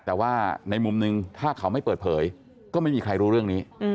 แต่ว่าในมุมนึงถ้าเขาไม่เปิดเผยก็ไม่มีใครรู้เรื่องนี้